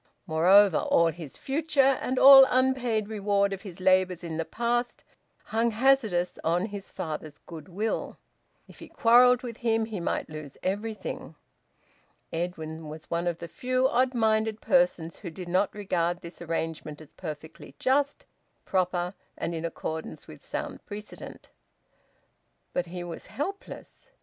Moreover, all his future, and all unpaid reward of his labours in the past, hung hazardous on his father's goodwill. If he quarrelled with him, he might lose everything. Edwin was one of a few odd minded persons who did not regard this arrangement as perfectly just, proper, and in accordance with sound precedent. But he was helpless.